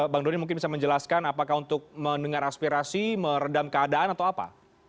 bang doni mungkin bisa menjelaskan apakah untuk mendengar aspirasi meredam keadaan atau apa